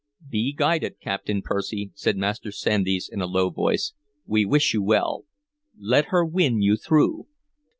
"Be guided, Captain Percy," said Master Sandys in a low voice. "We wish you well. Let her win you through."